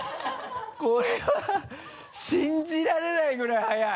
これは信じられないぐらい速い。